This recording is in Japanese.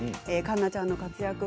環奈ちゃんの活躍